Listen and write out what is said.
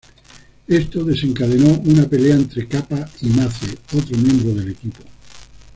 Esto desencadenó una pelea entre "Capa" y Mace, otro miembro del equipo.